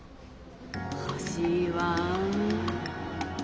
欲しいわあ。